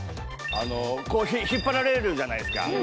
あのこう引っ張られるじゃないすか